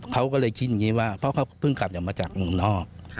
เขาก็เลยคิดอย่างนี้ว่าเพราะเขาเพิ่งกลับอย่างมาจากเมืองนอก